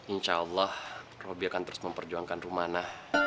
insya allah roby akan terus memperjuangkan rumana